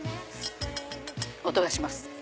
音がします。